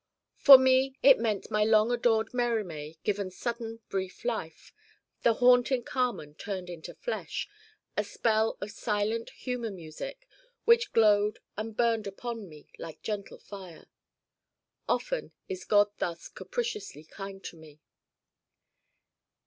For me it meant my long adored Mérimée given sudden brief life, the haunting Carmen turned into flesh: a spell of silent human music which glowed and burned upon me like gentle fire. Often is God thus capriciously kind to me.